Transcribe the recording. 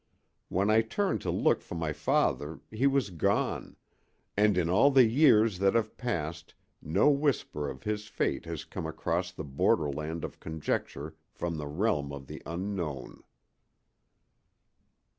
When I turned to look for my father he was gone, and in all the years that have passed no whisper of his fate has come across the borderland of conjecture from the realm of the unknown.